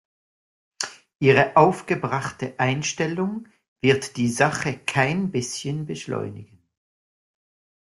Ihre aufgebrachte Einstellung wird die Sache kein bisschen beschleunigen.